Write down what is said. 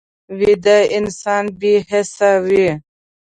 ویده انسان بې حسه وي